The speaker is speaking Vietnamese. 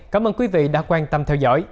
cảm ơn quý vị đã quan tâm theo dõi